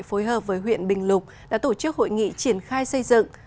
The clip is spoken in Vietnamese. phối hợp với huyện bình lục đã tổ chức hội nghị triển khai xây dựng